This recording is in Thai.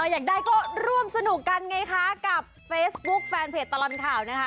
อยากได้ก็ร่วมสนุกกันไงคะกับเฟซบุ๊คแฟนเพจตลอดข่าวนะคะ